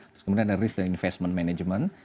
terus kemudian ada risk and investment management